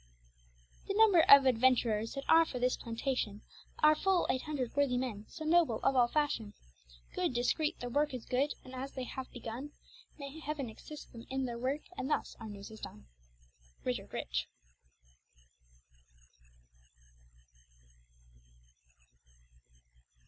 The number of adventurers, that are for this plantation, Are full eight hundred worthy men, some noble, all of fashion. Good, discreete, their worke is good, and as they have begun, May Heaven assist them in their worke, and thus our newes is done. RICHARD RICH.